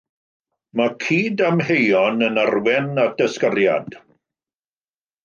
Mae cydamheuon yn arwain at ysgariad.